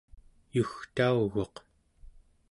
yugtauguq